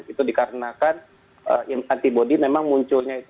itu dikarenakan antibody memang munculnya itu